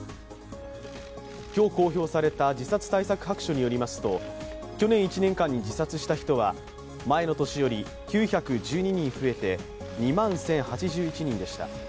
今日公表された自殺対策白書によりますと去年１年間に自殺した人は前の年より９１２人増えて２万１０８１人でした。